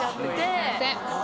すいません。